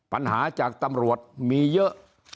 ปัญหาจากตำรวจมีเยอะ